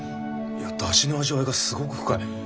いや出汁の味わいがすごく深い。